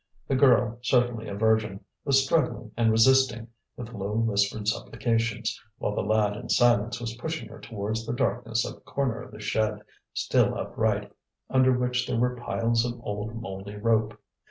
The girl, certainly a virgin, was struggling and resisting with low whispered supplications, while the lad in silence was pushing her towards the darkness of a corner of the shed, still upright, under which there were piles of old mouldy rope.